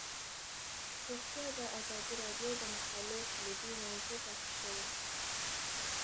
روغتیا د ازادي راډیو د مقالو کلیدي موضوع پاتې شوی.